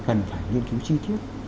cần phải nghiên cứu chi tiết